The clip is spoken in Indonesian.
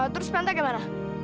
terus penta gimana